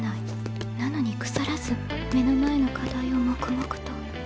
なのに腐らず目の前の課題を黙々と。